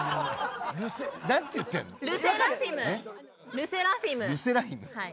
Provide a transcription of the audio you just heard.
ＬＥＳＳＥＲＡＦＩＭ？